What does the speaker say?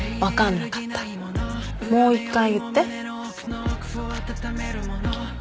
もう一回言って？